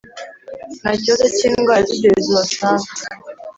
Nta kibazo k’indwara z’ibyorezo uhasanga